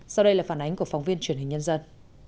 sau đây là phản ánh của phóng viên truyền hình nhân dân